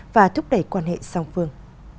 và thúc đẩy quan hệ song phương